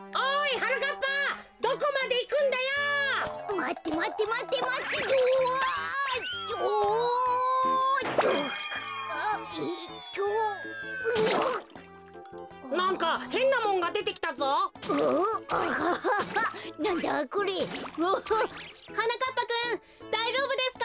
はなかっぱくんだいじょうぶですか？